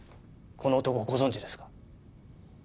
この男ご存じですか？